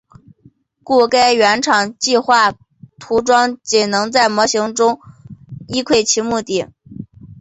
故该原厂计画涂装仅能在模型中一窥其面目。